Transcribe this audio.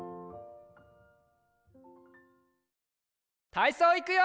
たいそういくよ！